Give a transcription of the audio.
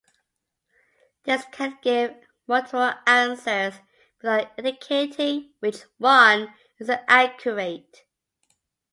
This can give multiple answers without indicating which one is accurate.